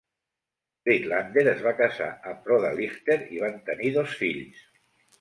Friedlander es va casar amb Rhoda Lichter i van tenir dos fills.